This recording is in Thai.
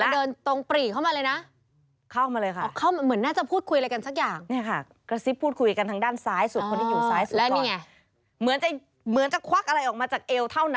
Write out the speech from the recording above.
เดินตรงปรี่เข้ามาเลยนะ